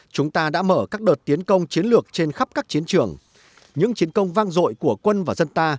chúng ta đã mở các đợt tiến công chiến lược trên khắp các chiến trường những chiến công vang dội của quân và dân ta